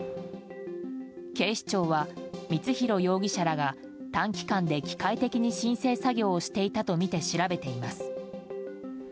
警視庁は光弘容疑者らが短期間で機械的に申請作業をしていたとみて調べています。